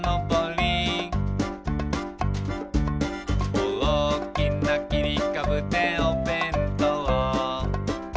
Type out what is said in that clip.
「おおきなきりかぶでおべんとう」